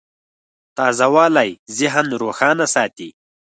تازهوالی ذهن روښانه ساتي.